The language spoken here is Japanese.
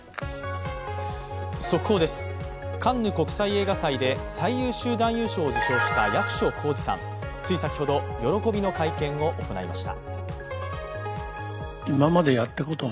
速報です、カンヌ国際映画祭で最優秀男優賞を受賞した役所広司さん、つい先ほど、喜びの会見を行いました。